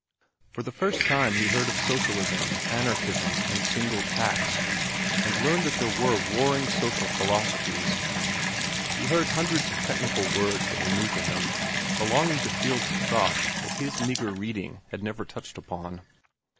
For the first time he heard of socialism, anarchism, and single tax, and learned that there were warring social philosophies. He heard hundreds of technical words that were new to him, belonging to fields of thought that his meagre reading had never touched upon.